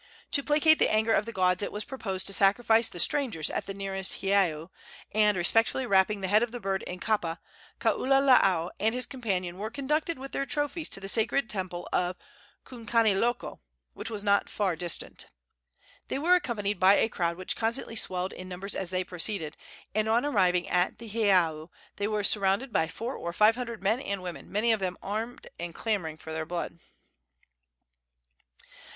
To placate the anger of the gods it was proposed to sacrifice the strangers at the nearest heiau, and, respectfully wrapping the head of the bird in kapa, Kaululaau and his companion were conducted with their trophies to the sacred temple of Kukaniloko, which was not far distant. They were accompanied by a crowd which constantly swelled in numbers as they proceeded, and on arriving at the heiau they were surrounded by four or five hundred men and women, many of them armed and clamoring for their blood.